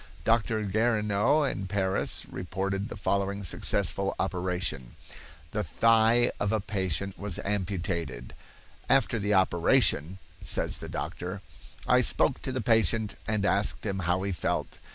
Dr. Guerineau in Paris reported the following successful operation: The thigh of a patient was amputated. "After the operation," says the doctor, "I spoke to the patient and asked him how he felt.